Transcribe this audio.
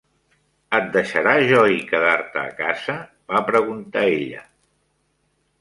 "Et deixarà Joy quedar-te a casa?", va preguntar ella.